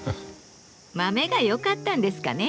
豆が良かったんですかね。